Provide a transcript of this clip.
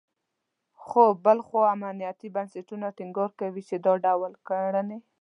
خو بل خوا امنیتي بنسټونه ټینګار کوي، چې دا ډول کړنې …